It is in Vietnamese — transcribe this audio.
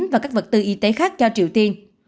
và các vật tư y tế khác cho triều tiên